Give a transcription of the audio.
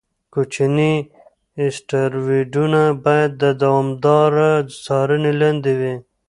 کوچني اسټروېډونه باید د دوامداره څارنې لاندې وي.